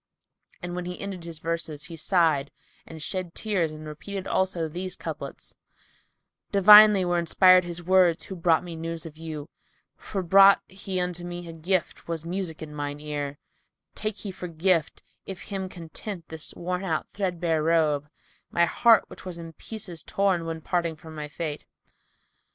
And when he ended his verses, he sighed and shed tears and repeated also these couplets, "Divinely were inspired his words who brought me news of you; * For brought he unto me a gift was music in mine ear: Take he for gift, if him content, this worn out threadbare robe, * My heart, which was in pieces torn when parting from my fete."